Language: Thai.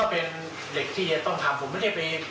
ผมก็ไม่คิด